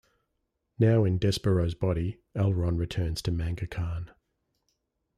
Now in Despero's body, L-Ron returns to Manga Khan.